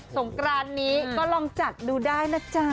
งกรานนี้ก็ลองจัดดูได้นะจ๊ะ